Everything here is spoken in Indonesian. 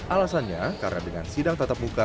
alasannya karena dengan sidang tatap muka